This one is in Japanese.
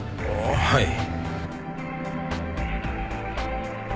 はい。